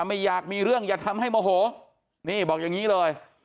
ไม่อยากมีเรื่องอย่าทำให้โมโหนี่บอกอย่างนี้เลย